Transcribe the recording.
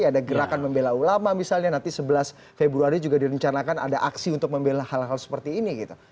ada gerakan membela ulama misalnya nanti sebelas februari juga direncanakan ada aksi untuk membela hal hal seperti ini gitu